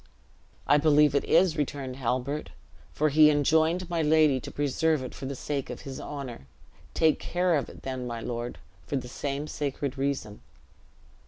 "I believe it is," returned Halbert, "for he enjoined my lady to preserve it for the sake of his honor. Take care of it, then, my lord, for the same sacred reason."